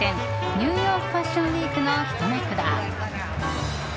ニューヨークファッションウィークのひと幕だ。